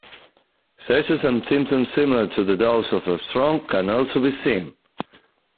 Seizures and symptoms similar to those of a stroke can also be seen.